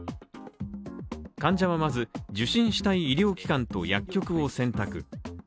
患者はまず、受診したい医療機関と薬局を選択。